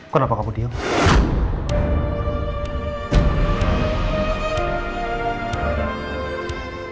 kenapa kamu diam